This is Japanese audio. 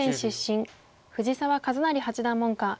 藤澤一就八段門下。